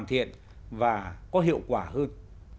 hoàn thiện và có hiệu quả hơn